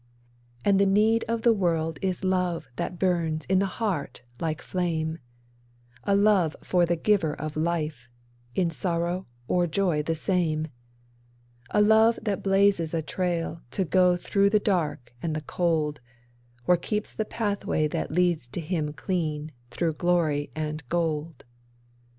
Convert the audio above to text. And the need of the world is love that burns in the heart like flame; A love for the Giver of Life, in sorrow or joy the same; A love that blazes a trail to Go through the dark and the cold, Or keeps the pathway that leads to Him clean, through glory and gold.